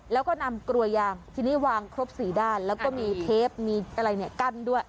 แล้วก็นำกลัวยางทีนี้วางครบ๔ด้านแล้วก็มีเทปมีอะไรเนี่ยกั้นด้วย